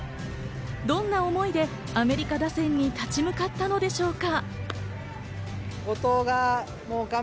どんな思いでアメリカ打線に立ち向かったのでしょうか。